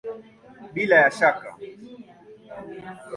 Bila ya shaka!